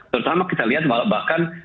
terutama kita lihat bahkan